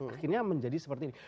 akhirnya menjadi seperti ini